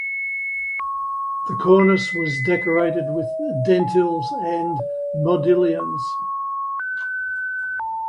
The cornice was decorated with dentils and modillions.